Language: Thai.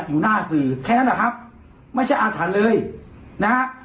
อยู่หน้าสื่อแค่นั้นแหละครับไม่ใช่อาถรรพ์เลยนะฮะ